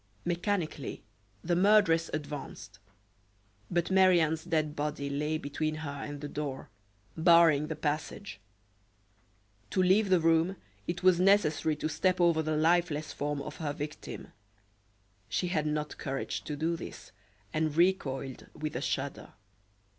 Mechanically the murderess advanced; but Marie Anne's dead body lay between her and the door, barring the passage. To leave the room it was necessary to step over the lifeless form of her victim. She had not courage to do this, and recoiled with a shudder.